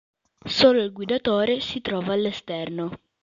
Solo il guidatore si trova all'esterno.